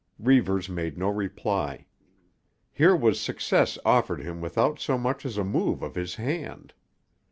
Reivers made no reply. Here was success offered him without so much as a move of his hand.